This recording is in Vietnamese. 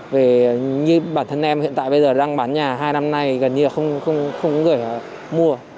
về như bản thân em hiện tại bây giờ đang bán nhà hai năm nay gần như không gửi mua